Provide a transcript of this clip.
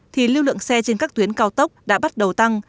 thì lưu lượng xe trên các tuyến cao tốc đã bắt đầu tăng